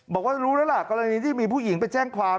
เราก็รู้แล้วกรณีที่มีผู้หญิงไปแจ้งความ